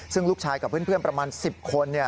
ซึ่งลูกชายกับเพื่อนประมาณ๑๐คน